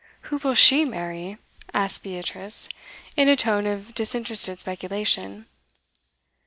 'Who will she marry?' asked Beatrice, in a tone of disinterested speculation.